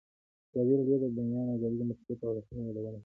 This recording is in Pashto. ازادي راډیو د د بیان آزادي د مثبتو اړخونو یادونه کړې.